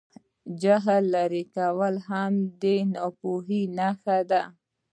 جهل لرل هم د ناپوهۍ نښه ده.